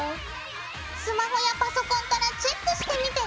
スマホやパソコンからチェックしてみてね。